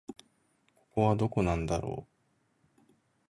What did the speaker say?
ここはどこなんだろう